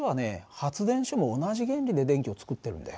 発電所も同じ原理で電気を作ってるんだよ。